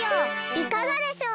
いかがでしょう？